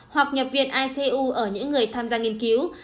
hoặc nhập viện icu ở những người tham gia nghiên cứu